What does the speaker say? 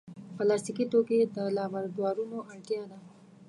پلاستيکي توکي د لابراتوارونو اړتیا ده.